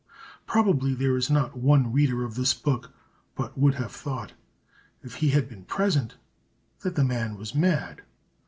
Probably there is not one reader of this book but would have thought, if he had been present, that the man was mad.